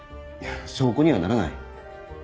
証拠にはならない。